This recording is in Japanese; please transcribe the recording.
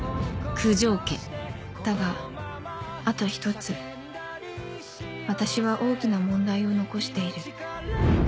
だがあと一つ私は大きな問題を残している